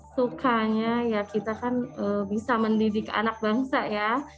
sukanya ya kita kan bisa mendidik anak bangsa ya